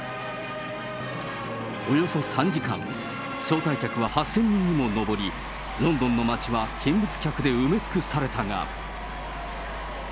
およそ３時間、招待客が８０００人にも上り、ロンドンの街は見物客で埋め尽くされたが。